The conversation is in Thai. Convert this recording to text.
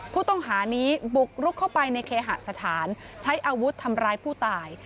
ผู้ต้องหานี้บุกรุกเข้าไปในเคหสถานใช้อาวุธทำร้ายผู้ตาย